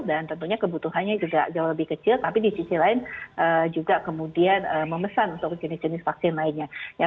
dan tentunya kebutuhannya juga jauh lebih kecil tapi di sisi lain juga kemudian memesan untuk jenis jenis vaksin lainnya